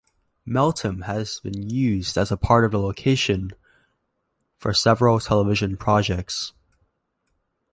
Meltham has been used as part of the location for several television projects.